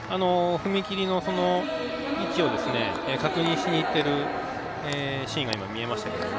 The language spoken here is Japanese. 踏み切りの位置を確認しにいっているシーンが今見えましたけれどもね。